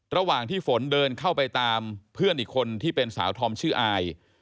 ระหว่างที่ฝนเดินเข้าไปตามเพื่อนอีกคนที่เป็นสาวธอมชื่ออาย